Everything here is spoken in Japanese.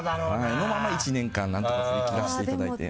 そのまま１年間何とか振り切らせていただいて。